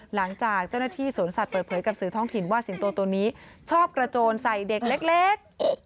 หลังจากเจ้าหน้าที่สวนสัตว์เปิดเผยกับสื่อท้องถิ่นว่าสิงโตตัวนี้ชอบกระโจนใส่เด็กเล็ก